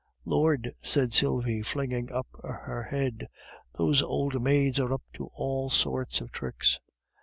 "Lord!" said Sylvie, flinging up her head, "those old maids are up to all sorts of tricks."